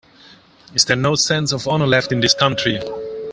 Is there no sense of honor left in this country?